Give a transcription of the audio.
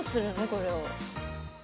これを。